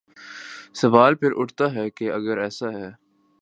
سوال پھر اٹھتا ہے کہ اگر ایسا ہے۔